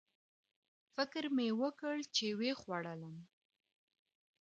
فکر مې وکړ چې ویې خوړلم